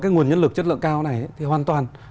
nguồn nhân lực chất lượng cao này thì hoàn toàn